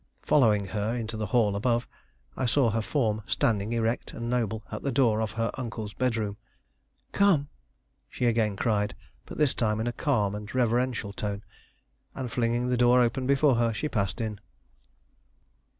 Following her into the hall above, I saw her form standing erect and noble at the door of her uncle's bedroom. "Come!" she again cried, but this time in a calm and reverential tone; and flinging the door open before her, she passed in.